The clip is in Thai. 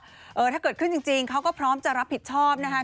เออถ้าเกิดขึ้นจริงเขาก็พร้อมจะรับผิดชอบนะคะ